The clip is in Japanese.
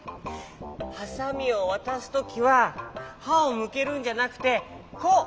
ハサミをわたすときははをむけるんじゃなくてこう。